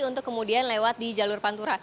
untuk kemudian lewat di jalur pantura